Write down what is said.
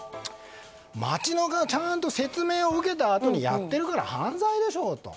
町側がちゃんと説明を受けたあとやってるから犯罪でしょと。